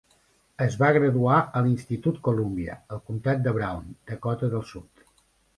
Es va graduar a l'institut Columbia, al comtat de Brown, Dakota del Sud.